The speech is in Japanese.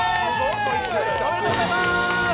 おめでとうございます！